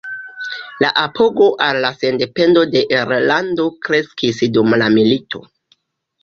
La apogo al la sendependo de Irlando kreskis dum la milito.